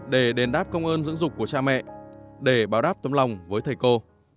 để đền đáp công ơn dưỡng dục của cha mẹ để bảo đáp tấm lòng với thầy cô